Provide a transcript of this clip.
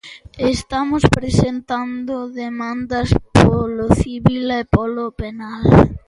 Estamos presentando demandas polo civil e polo penal.